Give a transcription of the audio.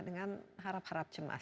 dengan harap harap cemas